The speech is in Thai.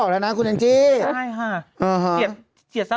แม่ดวงถูมใจเนอะ